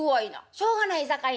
「しょうがないさかいね